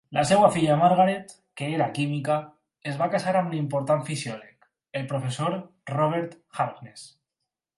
La seva filla Margaret, que era química, es va casar amb l'important fisiòleg, el professor Robert Harkness.